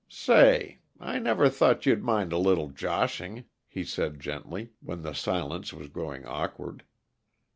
"Say! I never thought you'd mind a little joshing," he said gently, when the silence was growing awkward.